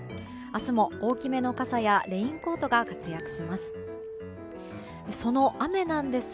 明日も大きめの傘やレインコートが活躍します。